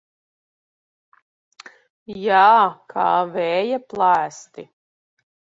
Jā, kā vēja plēsti.